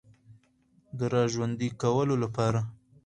د را ژوندۍ کولو لپاره